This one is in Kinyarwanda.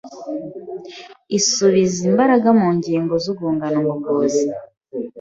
isubiza imbaraga mu ngingo z’urwungano ngogozi.